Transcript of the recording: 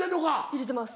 入れてます。